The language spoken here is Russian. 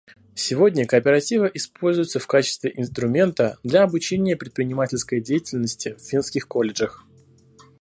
Сегодня кооперативы используются в качестве инструмента для обучения предпринимательской деятельности в финских колледжах.